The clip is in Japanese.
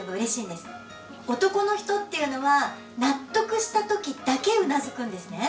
男の人っていうのは納得した時だけうなずくんですね。